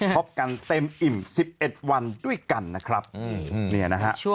ช็อปกันเต็มอิ่ม๑๑วันด้วยกันนะครับช่วงหน้ามาดูตอนนี้